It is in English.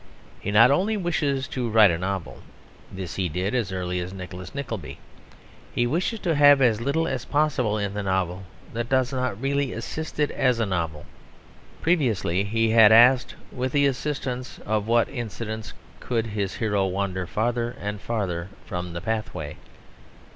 He not only wishes to write a novel; this he did as early as Nicholas Nickleby. He wishes to have as little as possible in the novel that does not really assist it as a novel. Previously he had asked with the assistance of what incidents could his hero wander farther and farther from the pathway.